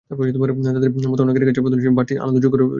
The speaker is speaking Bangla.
তাঁদের মতো অনেকের কাছেই প্রদর্শনীটি বাড়তি আনন্দ যোগ করেছিল ছুটির দিনে।